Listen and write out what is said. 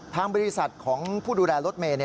ทางบริษัทของผู้ดูแลรถเมย์